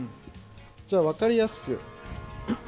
じゃあ、分かりやすく。